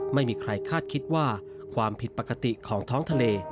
ไม่มีใครคาดคิดว่าความผิดปกติของท้องทะเล